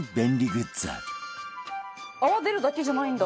泡出るだけじゃないんだ。